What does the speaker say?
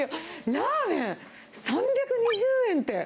ラーメン３２０円って。